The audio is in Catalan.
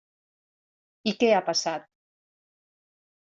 I què ha passat?